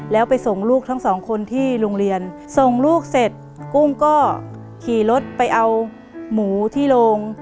แล้วไปส่งลูกทั้งสองคนที่โรงเรียนส่งลูกเสร็จกุ้งก็ขี่รถไปเอาหมูที่โรง